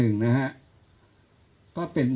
น้องคนอาหาร